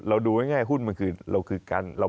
อ่าอ่าอ่าอ่า